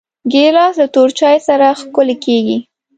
ګیلاس له تور چای سره ښکلی کېږي.